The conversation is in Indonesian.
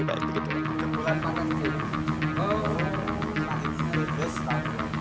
jepulan pakas jepul orang orang yang terhadap ini adalah desa